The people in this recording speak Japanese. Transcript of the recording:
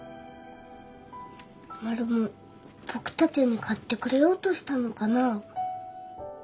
マルモ僕たちに買ってくれようとしたのかな。